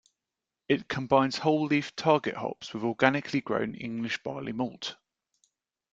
It combines whole leaf Target hops with organically grown English barley malt.